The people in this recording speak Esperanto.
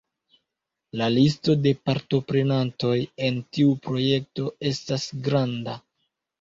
La listo de partoprenantoj en tiu projekto estas granda.